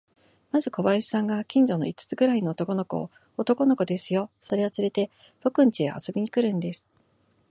まず小林さんが、近所の五つくらいの男の子を、男の子ですよ、それをつれて、ぼくんちへ遊びに来るんです。